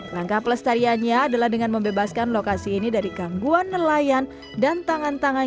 langkah pelestariannya adalah dengan membebaskan lokasi ini dari gangguan nelangga